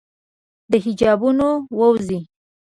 د حجابونو ووزي